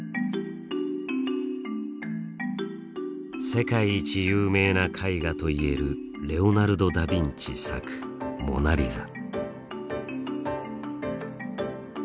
世界一有名な絵画といえるレオナルド・ダ・ヴィンチ作「モナリザ」。